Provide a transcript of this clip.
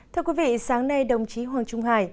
thưa quý vị sáng nay đồng chí hoàng trung hải